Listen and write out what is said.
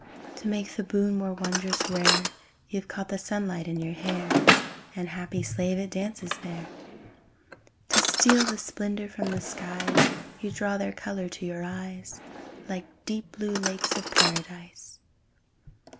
To make the boon more wondrous rare You've caught the sunlight in your hair, And, happy slave, it dances there. To steal the splendour from the skies, You draw their colour to your eyes, Like deep blue lakes of Paradise.